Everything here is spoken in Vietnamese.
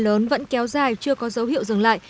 nhưng vẫn kéo dài chưa có dấu hiệu dừng lại